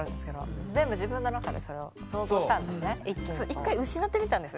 一回失ってみたんです